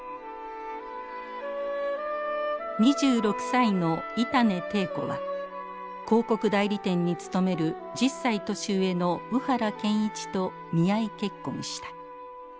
２６歳の板根禎子は広告代理店に勤める１０歳年上の鵜原憲一と見合い結婚した。